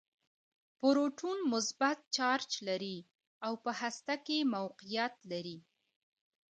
پروټون مثبت چارچ لري او په هسته کې موقعیت لري.